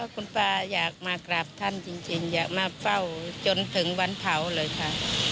คุณป้าอยากมากราบท่านจริงอยากมาเฝ้าจนถึงวันเผาเลยค่ะ